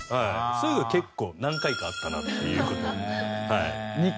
そういうのが結構何回かあったなっていう事をはい。